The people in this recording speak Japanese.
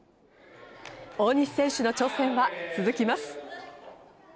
大西選手の挑戦は続きます。